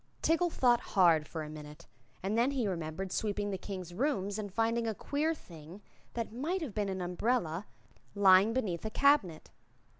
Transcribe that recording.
Tiggle thought hard for a minute and then said he remembered sweeping the King's rooms and finding a queer thing that might have been an umbrella lying beneath a cabinet.